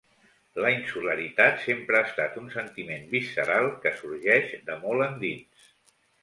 La insularitat sempre ha estat un sentiment visceral, que sorgeix de molt endins.